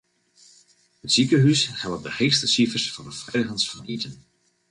It sikehús helle de heechste sifers foar de feiligens fan iten.